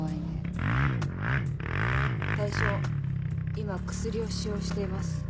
今薬を使用しています。